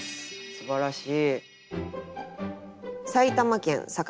すばらしい！